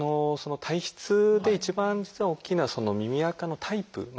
その体質で一番実は大きいのは耳あかのタイプ。